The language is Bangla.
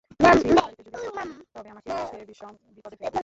বুঝেছি, এ বাড়িতে যদি সে থাকে তবে আমাকে সে বিষম বিপদে ফেলবে।